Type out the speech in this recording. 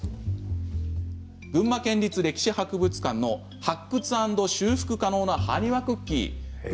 群馬県立歴史博物館の発掘＆修復可能なハニワクッキーです。